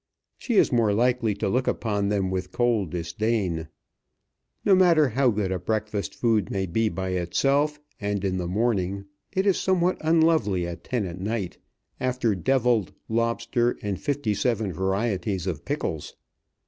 She is more likely to look upon them with cold disdain. Ho matter how good a breakfast food may be by itself and in the morning, it is somewhat unlovely at ten at night after devilled lobster and fifty seven varieties of pickles.